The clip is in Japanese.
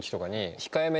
控えめに？